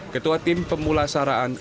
ketua tim pemulasaraan